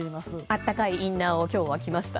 暖かいインナーを今日は着ました。